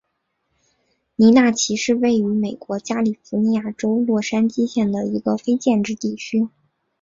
尼纳奇是位于美国加利福尼亚州洛杉矶县的一个非建制地区。